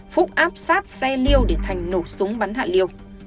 phúc áp sát xe liêu để thành nổ súng bắn hạ liều